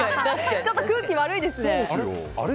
ちょっと空気悪いですね。